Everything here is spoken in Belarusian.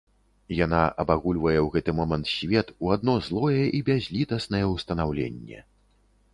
Яна абагульвае ў гэты момант свет у адно злое і бязлітаснае ўстанаўленне.